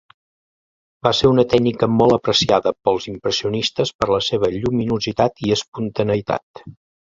Va ser una tècnica molt apreciada pels impressionistes per la seva lluminositat i espontaneïtat.